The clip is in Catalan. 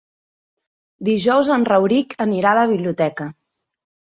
Dijous en Rauric anirà a la biblioteca.